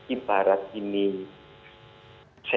ibarat ini sesi pendalaman